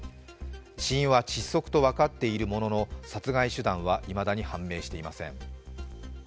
死因は窒息と分かっているものの殺害手段はいまだに判明していません。